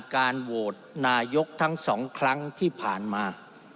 การโหวตนายกทั้ง๒ครั้งที่ผ่านมา